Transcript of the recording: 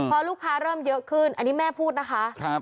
พอลูกค้าเริ่มเยอะขึ้นอันนี้แม่พูดนะคะ